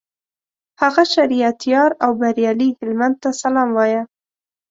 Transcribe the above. هغه شریعت یار او بریالي هلمند ته سلام وایه.